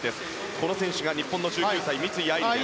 この選手が日本の１９歳三井愛梨です。